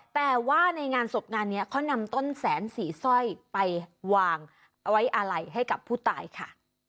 แต่ว่าในงานศพงานนี้เขานำต้นแสนสีสร้อยไปวางไว้อาลัยให้กับผู้ตายค่ะ